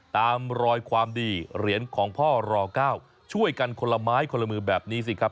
ตามรอยความดีเหรียญของพ่อร๙ช่วยกันคนละไม้คนละมือแบบนี้สิครับ